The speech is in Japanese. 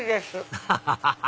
ハハハハハ